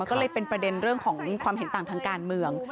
ก็เลยเป็นประเด็นเรื่องของความเห็นต่างทางการเมือง